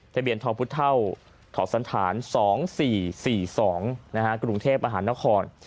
ทะเบียนทองพุทธเท่าถอดสันฐาน๒๔๔๒กรุงเทพอาหารนคร